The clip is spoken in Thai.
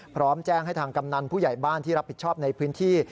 พร้อมแจ้งให้ทางกำนันผู้ใหญ่บ้านที่รับผิดชอบในพื้นที่